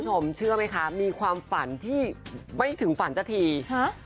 คุณผู้ชมเชื่อหรือไหมมีความฝันว่าไปถึงฝันจริง